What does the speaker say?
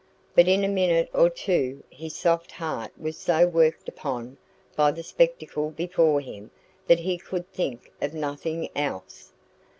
But in a minute or two his soft heart was so worked upon by the spectacle before him that he could think of nothing else.